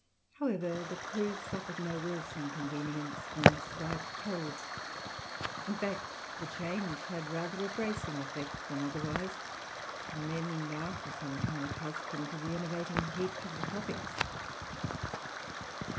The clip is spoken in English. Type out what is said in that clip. However, the crew suffered no worse inconvenience than slight colds; in fact, the change had rather a bracing effect than otherwise on men now for some time accustomed to the enervating heat of the tropics.